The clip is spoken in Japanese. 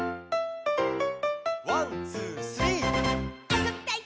「ワンツースリー」「あそびたい！